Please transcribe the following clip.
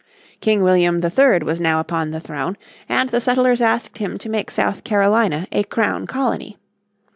King William III was now upon the throne, and the settlers asked him to make South Carolina a Crown Colony.